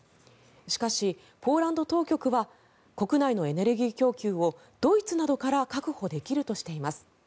しかし、ポーランド当局は国内のエネルギー供給をドイツなどから確保できるとしています。